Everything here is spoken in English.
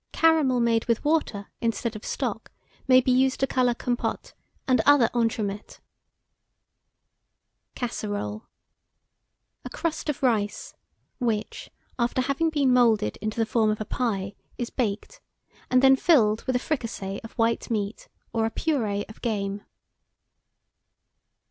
Caramel made with water instead of stock may be used to colour compôtes and other entremets. CASSEROLE. A crust of rice, which, after having been moulded into the form of a pie, is baked, and then filled with a fricassee of white meat or a purée of game.